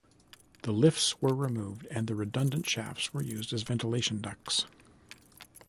The lifts were removed and the redundant shafts were used as ventilation ducts.